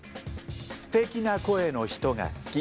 「すてきな声の人が好き」。